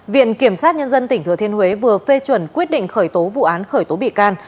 viện kiểm sát nhân dân tỉnh thừa thiên huế vừa phê chuẩn quyết định khởi tố vụ án khởi tố bị can